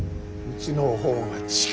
うちの方が近い。